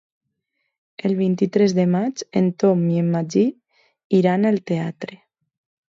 El vint-i-tres de maig en Tom i en Magí iran al teatre.